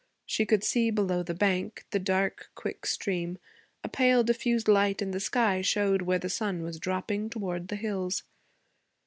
She could see, below the bank, the dark, quick stream; a pale, diffused light in the sky showed where the sun was dropping toward the hills.